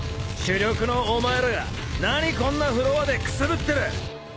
主力のお前らが何こんなフロアでくすぶってる？